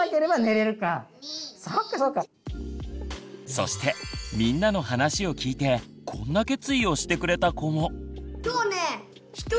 そしてみんなの話を聞いてこんな決意をしてくれた子も。